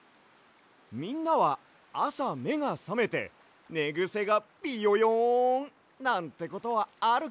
みんなはあさめがさめてねぐせがビヨヨン！なんてことはあるかい？